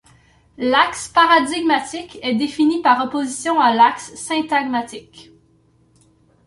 L' axe paradigmatique est défini par opposition à l'axe syntagmatique.